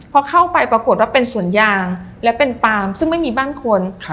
พอเข้าไปปรากฏว่าเป็นสวนยางและเป็นปาล์มซึ่งไม่มีบ้านคน